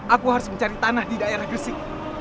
aku harus mencari tanah di daerah gresik